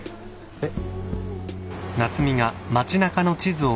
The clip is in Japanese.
えっ？